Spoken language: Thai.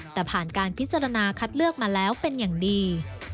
แต่ผ่านการพิจารณาคัดเลือกมาแล้วเป็นอย่างดี